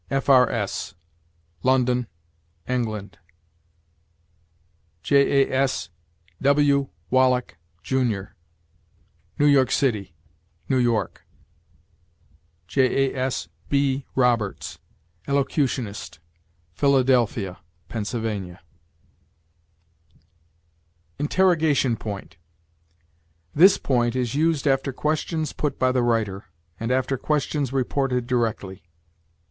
D., F. R. S., London, Eng.; Jas. W. Wallack, Jr., New York City, N. Y.; Jas. B. Roberts, Elocutionist, Phila., Pa. INTERROGATION POINT. This point is used after questions put by the writer, and after questions reported directly.